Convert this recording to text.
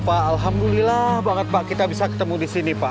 pak alhamdulillah banget pak kita bisa ketemu di sini pak